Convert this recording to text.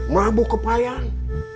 mabuk ke payang